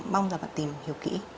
mong là bạn tìm hiểu kỹ